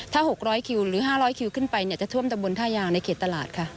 ถ้า๖๐๐คิวหรือ๕๐๐คิวขึ้นไปจะท่วมตำบลท่ายางในเขตตลาดค่ะ